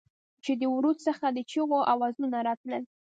چې د ورد څخه د چېغو اوزونه راتلل.